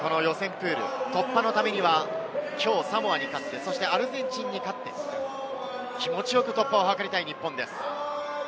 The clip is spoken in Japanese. プール突破のためにはきょうサモアに勝って、アルゼンチンに勝って気持ちよく突破を図りたい日本です。